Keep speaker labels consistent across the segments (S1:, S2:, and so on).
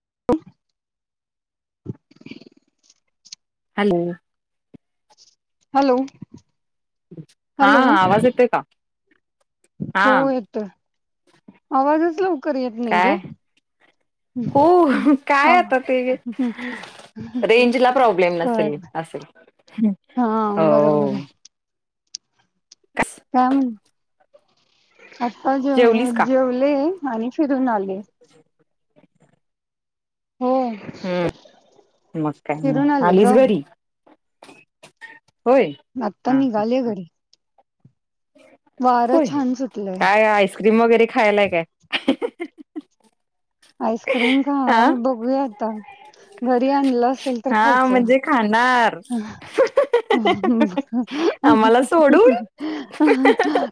S1: ह [inaudible]
S2: hello
S1: hello
S2: हा आवाज येतोय का
S1: हो येतोय आवाजच लवकर येत नाही ग हा बरोबर आहे काय आता जेव जेवले आणि फिरून आले होम
S2: मग काय आणि आलीस घरी [inaudible]
S1: आता निघाले घरी वारं छान सुटलंय
S2: आईस्क्रीम वगैरे खायलाय का
S1: आईस्क्रीम खावा बघूया आता घरी आणलं असेल तर खायचं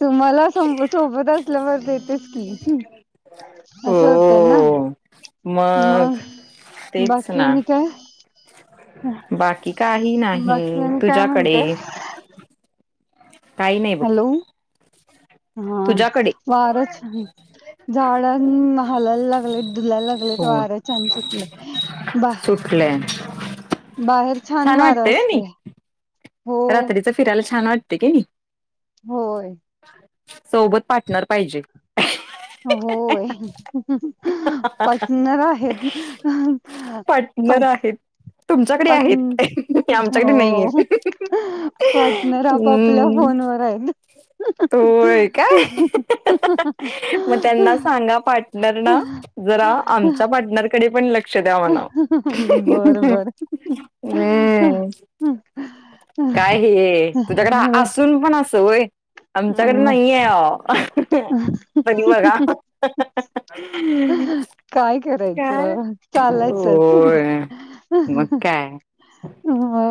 S1: तुम्हाला सोबत असल्यावर देते च की असं होत ना मग बाकी आणि काय
S2: बाकी काही नाही तुझ्याकडे काही नाही बग
S1: हा वारं छान झाडां हलायला लागले डूलायला लागलेत वर छान सुटले बा बाहेर छान वार असतय
S2: रात्रीचं फिरायला छान वाटत तिथ की नाही
S1: होय
S2: सोबत पाठणर पाहिजे
S1: होय पार्टनर आहेत पाट हो पार्टनर आपापल्या फोनवर आहेत
S2: मग त्यांना सांगा पार्टनर ना जरा आमच्या पार्टनरकडे पण
S1: बर बर
S2: काय हे तुझ्याकडे असून पण असं होय आमच्याकडे नाही आहे तरी बघा काय होय मग काय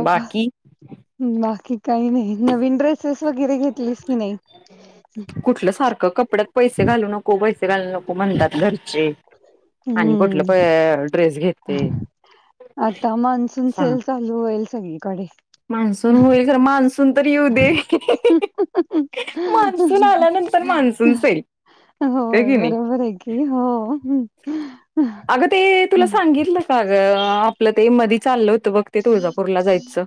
S2: बाकी
S1: बाकी काही नाही नवीन ड्रेसेस वगैरे घेतलेस कि नाही
S2: पैसे घालू नको पैसे घालू नको म्हणतात घरचे आणि कुठलं प ड्रेस घेते ह
S1: पु [unintelligible]
S2: मान्सून होईल ख मान्स ये दे मानून आल्यानंतर मानून तु स आप चाल बघ ते तुळजापर जायचं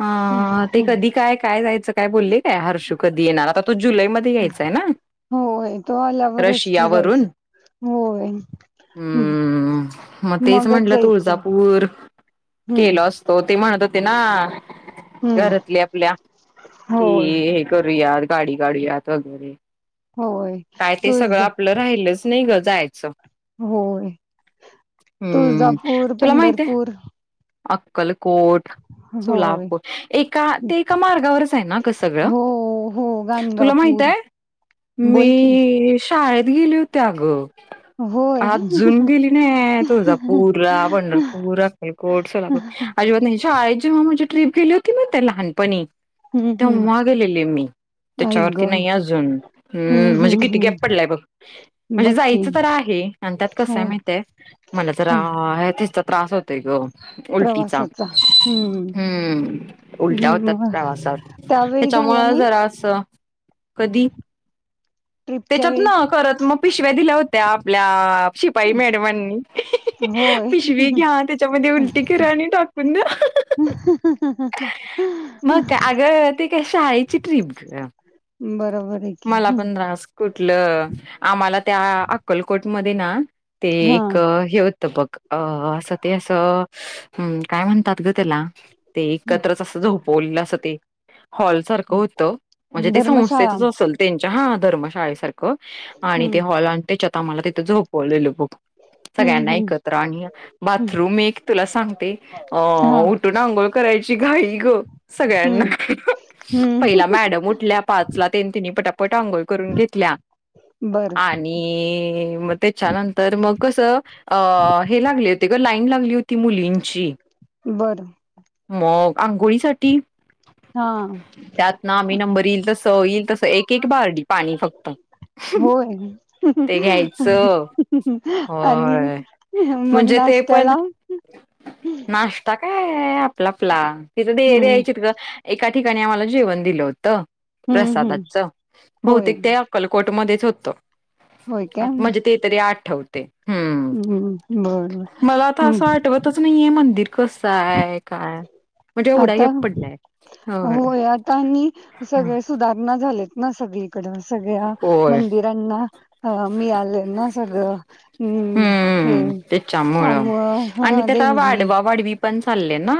S2: अ ते कधी काय काय काय जायचं काय बोलले काय हर्ष कधी येणार आता तो जुलै मध्ये यायचा आहे ना रशियावरून हम् मग तेच म्हटलं तुळजापूर केलो असतो ते म्हणात [unintelligible] त ना घरातले आपल्या कि हे करूया गाडी गाडी यात वगैरे
S1: होय तूच जा
S2: नाही ग जायचं
S1: होय तुळजापूर पंढरपूर.
S2: अक्कल. कोट सोलापूर एका शाळेत गेली होती अगं. अजून गेली नाय ये तुळजापूराला पंढरपूर [inaudible] आजिबात नाही शाळेची माझी ट्रिप गेली होती तर लहानपणी. तेव्हा गेलेली मी त्याच्यावरती नाही, अजून हम्म म्हणजे किती गॅप पडलाय बघ, म्हणजे जायचं तर आहे आणि त्यात कसंय माहितय मला जरा त्रास होतय गं. उलटीचा हम्म उलट्या होतात, प्रवासात त्याच्यामुळ जरा असं. कधी? त्याच्यात ना करत मग पिशव्या दिल्या होत्या आपल्या. शिपाई मॅडमांनी पिशवी घ्या त्याच्यामध्ये उल ते करा आणि टाकून द्या. मग काय अग ते काय शाळेची ट्रीप ग.
S1: बरोब
S2: मला पण त्रास [inaudible] टलं आम्हाला त्या अक्कलकोटमध्ये ना ते एक हे होतं बघ अ असं ते अस हम् काय म्हणतात ग त्याला ते एकत्रच असं झोपवलेलं असं ते हॉल सारखं होतं म्हणजे ते संस्थेच तेच असलं त्यां हा धर्मशाळेसार ख आणि ते हॉल त्याच्या आत आमला तिथ झोपवलेलं बघ सगळ्यांना एकत्र आणि बाथरूम एक तुला सांगते उठून अंघोळ करायची घाई. हो सगळ्यांना पहिला मॅडम उठल्या पाच -सला तिनी पटापट आंघोळ करून घेतल्या आणि मग त्याच्यानंतर मग कसं अ हे लागले होते ग लाईन लागली होत ती मुलींची.
S1: बरं.
S2: आंघोळीसाठी त्यात ना आम्ही नंबर येईल तस ईल तस एक एक बर्डी पाणी फक्त.
S1: आणि मग नाश्त्याला
S2: आपला आपला. तिथं ते द्यायचेत ग एका ठिकाणी आम्हाला जेवण दिलं होतं. प्रसादाच. बहूतेक ते अक्कलकोट मध्येच होत. म्हणजे ते तरी आठ ठेवते. हम्म मला आता असं आठवतच नाहीये मंदिर. कसाय.
S1: आता होय आता आणि सगळे सुधारणा झालेत. ना सगळीकड. सगळ्या मंदिरांना अ मिळाल्याना सगळं. हम्म हे त्यामुळ ह देणगी.
S2: पण चाल्ले ना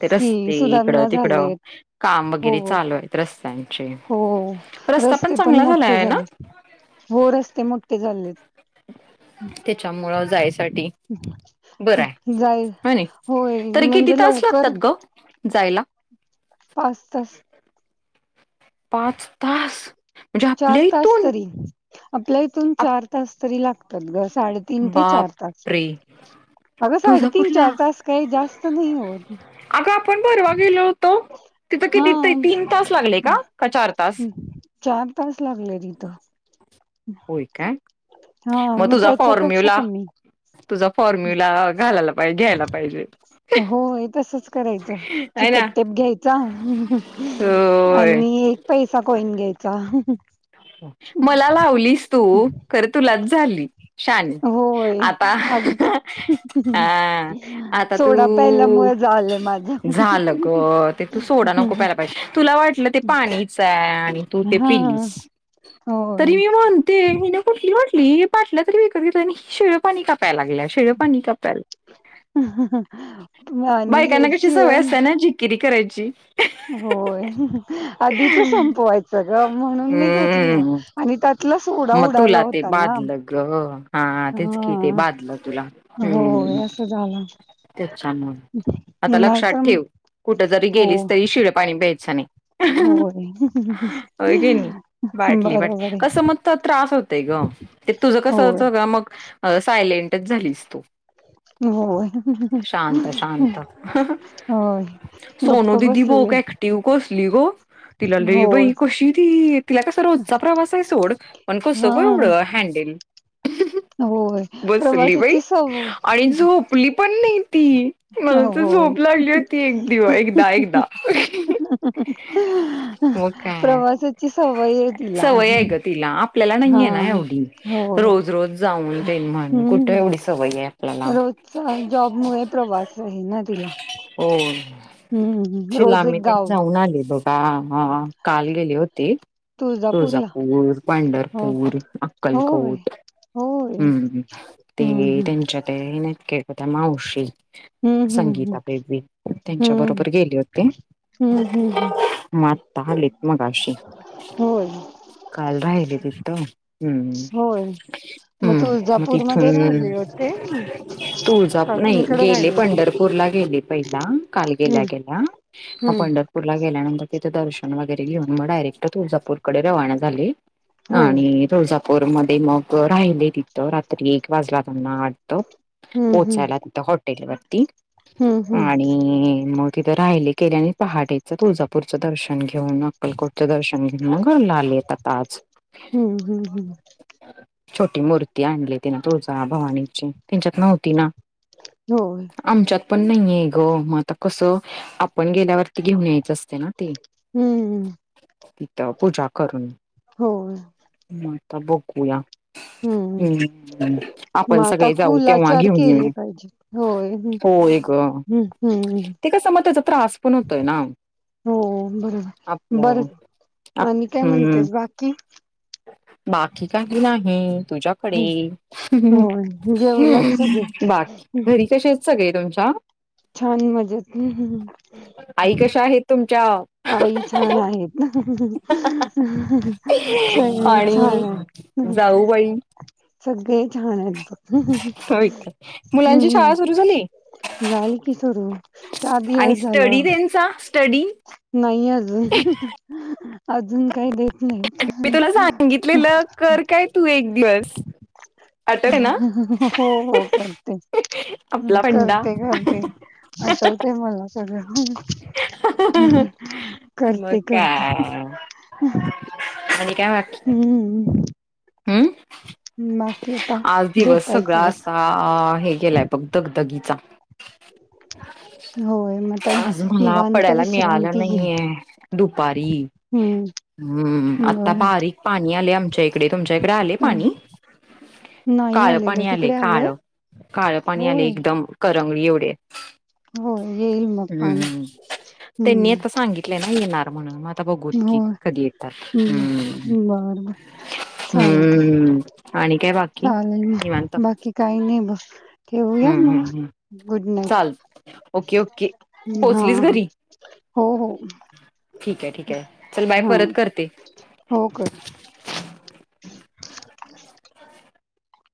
S2: ते रस्ते इकडं तिकडं काम वगैरे चालू आहे रस्त
S1: हो रस्ते पण मो ते झाले. हो रस्ते मोठे झालेत.
S2: त्याच्यामुळं जायच. अटी बरंय हनी? तरी किती तास लागतात ग? जायला. पाचतास! म्हणजे आपल्या इथून!
S1: आपल्या इथून चार तास तरी लाग ग साडेतीन ते चार तास. अग साडेतीन चार तास काही जास्त नाही होत.
S2: पण परवा गेलो होतो, तिथ किती तीन तास लागले का, का चार तास?
S1: हा मग त्याच्यापेक्षा कमी. होय तसच करायचं चिकट टेप घ्यायचा आणि एक पैसा कोइन घ्यायचा.
S2: मला ला लीस तू खर तुलाच झाली.. शानी आता अ आता तू झालं ग ते तू सोडा नको प्यायला पाहिजे, तुला वाटलं ते पाणीच आहे.. तू ते पिलीस. तरी मी म्हणते हि ना कुठलीष्ट. ली पाटलं तरी विकत घेत आणि शेळ पाणी कापायलाग. बायकांना कशी ना सवय असते याची झीखीर करायची. ज [unintelligible]
S1: होय आधीच संपवायचं ग म्हण. मी घेतलं आणि त्यात.
S2: मग तुला ते बाधलं ग. हा तेच कि ते बाधलं तुला हम् त्यामुळे, आता लक्षात ठेव कुठे जरी गेलीच तरी शिळ पाणी प्याय शनी.
S1: होय बरोबर आहे.
S2: त्रास होतय ग ते तुझं कसं मग. सायलेंटच झालीस तु. शांत शांत सोनू दिदी बो का ऍक्टिव कोसली ग तिला रे बाई कशी ती तिला कसा रोजचा प्रवास आहे सोड. कसं ग एवढं हँडल. [inaudible]
S1: होय प्रवासाची सवय.
S2: पनी. ती मला तर झोप लागली होती एक दि एकदा एकदा काय सवय आहे ग तिला आपल. आपल्याला नाय ना एवढी रोज रोज जाण.
S1: हम्म रोजचा जॉब मुळे प्रवास आहे ना तिला. हम्म रोज एक गाव.
S2: बाबा हा काल गेली होती. तुळजापूर पंढरपूर. अक्कलकोट ह् ते त्यांच्या ते. हे नाइत काय त्या माऊशी संगीता बेबी त्यांच्या बरोबर गेले होते म आता आलीत मगाशी काल राहिले तिथ. त.
S1: होय, म तूळजापूरमध्येध् राहिले होते? का कुणीकडे राहिले होते?
S2: पहिला काल गेल्या, गेल्या पंढरपूरला गेल्यानंतर तिथे दर्शन वगैरे घेऊन म डायरेक्ट तळजापूरकडे रवाना झाले. आणि तुळजापूर म ते मग राहिले तिथं रात्री एक वाजला त्यांना वाटत पोचायला तिथ. हा हॉटेल वरती. आणि मग तिथे राहिले केले आणि पहाटेचं तुळजाूरचं दर्शन घे घेऊन अक्कलकोटचे दर्शन घेऊन, मग घरला आलोत आता आज.
S1: हम्म, हम्म, हम्म.
S2: छोटी मूर्ती आणलेत. तीनं तुळजाभवानीची त्यांच्यात नव्हती ना, आमच्यांत पण नाइ ग मग आता कसं आपण गेल्यावरती घेऊन यायचं अस ते ना ते त पूजा करून
S1: होय.
S2: आता बघूया.
S1: हम्म मग आता कुलाचार केले पाहिजे होय ह् हम्, हम् हो, बरोबर बर आणि काय म्हणतेस बाकी?
S2: बाकी काही नाही. तुझ्याकडे, बाकी घरी कशेयत सगळे तुम चा
S1: छान मजेत, हं, हं आई छान आहेत. हं, हं, हं सगळे छानय. सगळे छान आहेत, बघ ह, ह, ह, हम् झाली की सुरू चार दिवस झालं नाइ आजुन अजून काय देत
S2: मी तुला सांगितलेलं कर काय तू एक दिवस आठवतय ना? आपला फंडा
S1: आठवतेय मला सगळं, करते करते [inaudible] हम्म
S2: हम्. आज दिवस सगळा असा हे गेलाय बघ दगदगी चा आज मला पडायला मिळालं नाहीये, दुपारी हम्म आता बारीक पाणी आले आमच्या इक तुमच्या इकडे आलय पाणी? काळ पाणी आलय काळ काळ पाणी आले एकदम करंगळी एवढीय
S1: हो येईल मग पाणी हम्म
S2: येणार म्हणं मा आता बघूत की कधी येतात. हम. हम्म, आणि काय बाकी?
S1: चालेल बाकी काही नाही बघ
S2: हम्म हम् हम्, चाल ओके ओके. पोहोचलीच घरी, ठीक आहे ठीक आहे, चल बाय परत करते.